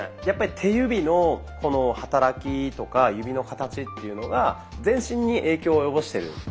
やっぱり手指のこの働きとか指の形っていうのが全身に影響を及ぼしてる。